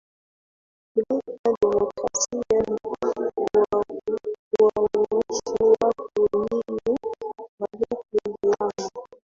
kuleta demokrasia ni kuwaruhusu watu wengine walete vyama